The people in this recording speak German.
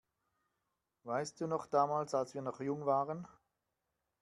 Weißt du noch damals, als wir noch jung waren?